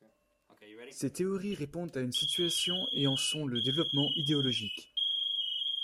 Ces théories répondent à une situation et en sont le développement idéologique.